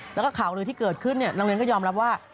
แล้วก็ข่าวลือที่เกิดขึ้นโรงเรียนก็ยอมรับว่า